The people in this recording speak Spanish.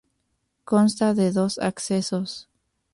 Consta de dos accesos.